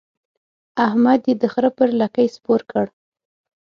احمد يې د خره پر لکۍ سپور کړ.